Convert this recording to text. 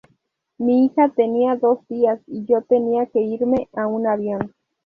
Mi hija tenía dos días y yo tenía que irme a un avión.